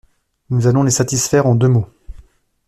Nous allons les satisfaire en deux mots.